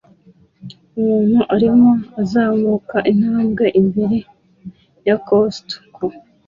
Umuntu arimo azamuka intambwe imbere ya Costco